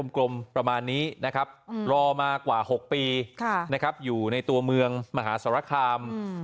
ลมประมาณนี้นะครับรอมากว่า๖ปีอยู่ในตัวเมืองมหาสรคาม